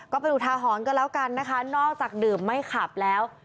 ก็เป็นอุทาหรณ์กันแล้วกันนะคะนอกจากดื่มไม่ขับแล้ว